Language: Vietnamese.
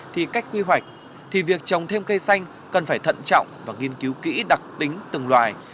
thì cách quy hoạch thì việc trồng thêm cây xanh cần phải thận trọng và nghiên cứu kỹ đặc tính từng loài